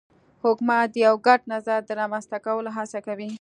حکومت د یو ګډ نظر د رامنځته کولو هڅه کوي